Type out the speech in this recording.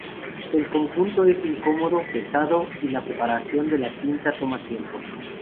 El conjunto es incómodo, pesado, y la preparación de la tinta toma tiempo.